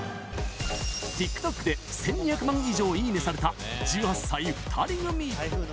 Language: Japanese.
ＴｉｋＴｏｋで１２００万以上いいねされた、１８歳２人組。